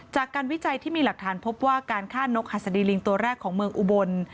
วิจัยที่มีหลักฐานพบว่าการฆ่านกหัสดีลิงตัวแรกของเมืองอุบล